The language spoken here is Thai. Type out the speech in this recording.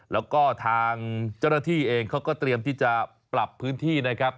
แล้วก็ทางเจ้าหน้าที่เองเขาก็เตรียมที่จะปรับพื้นที่นะครับ